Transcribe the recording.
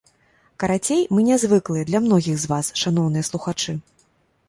Карацей, мы нязвыклыя для многіх з вас, шаноўныя слухачы.